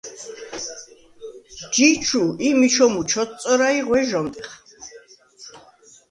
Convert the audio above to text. ჯი ჩუ ი მიჩომუ ჩოთწორა ი ღვე ჟ’ომტეხ.